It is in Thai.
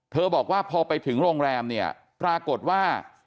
บอกว่าพอไปถึงโรงแรมเนี่ยปรากฏว่า